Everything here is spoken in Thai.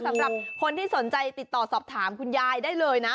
สำหรับคนที่สนใจติดต่อสอบถามคุณยายได้เลยนะ